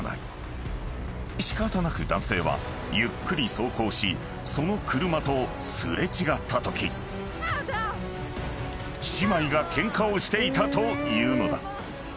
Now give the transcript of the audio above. ［仕方なく男性はゆっくり走行しその車と擦れ違ったとき姉妹がケンカをしていたというのだ］